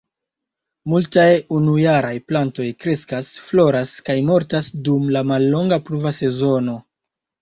Multaj unujaraj plantoj kreskas, floras kaj mortas dum la mallonga pluva sezono.